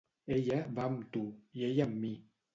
Ella va amb tu i ell amb mi.